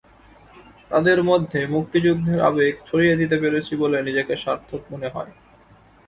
তাদের মধ্যে মুক্তিযুদ্ধের আবেগ ছড়িয়ে দিতে পেরেছি বলে নিজেকে স্বার্থক মনে হয়।